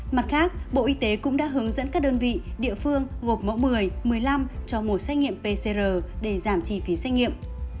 mặt khác bộ y tế cũng đã hướng dẫn các đơn vị địa phương gộp mẫu một mươi một mươi năm cho mổ xét nghiệm pcr để giảm chi phí xét nghiệm